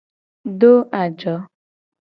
Do ajo.